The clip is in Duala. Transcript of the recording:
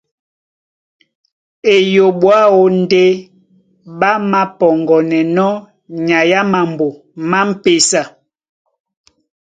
Eyoɓo aó ndé ɓá māpɔŋgɔnɛnɔ́ nyai á mambo má m̀pesa.